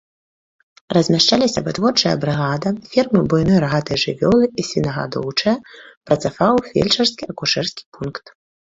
Размяшчаліся вытворчая брыгада, фермы буйной рагатай жывёлы і свінагадоўчая, працаваў фельчарска-акушэрскі пункт.